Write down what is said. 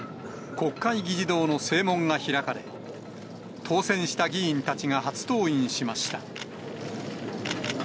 国会議事堂の正門が開かれ、当選した議員たちが初登院しました。